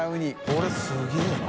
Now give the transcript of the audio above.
これすげぇな。